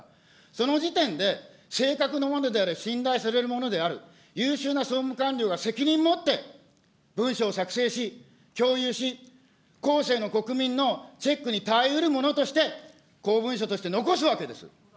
その時点で、正確なものであり、信頼されるものである、優秀な総務官僚が責任持って文書を作成し、共有し、後世の国民のチェックに耐えうるものとして、公文書として残すわけです。